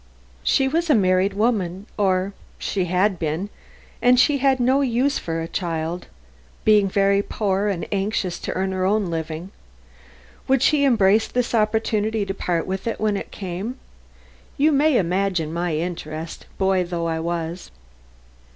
She was a married woman, or rather had been, but she had no use for a child, being very poor and anxious to earn her own living. Would she embrace this opportunity to part with it when it came? You may imagine my interest, boy though I was."